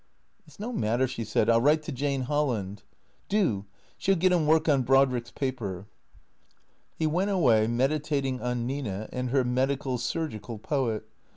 " It 's no matter," she said. " I '11 write to Jane Holland." " Do. She '11 get him work on Brodrick's paper." He went away, meditating on Nina and her medical, surgical poet.